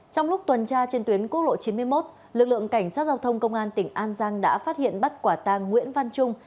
trong lúc tuần tra trên tuyến quốc lộ chín mươi một lực lượng cảnh sát giao thông công an tỉnh an giang đã phát hiện bắt quả tàng nguyễn văn trung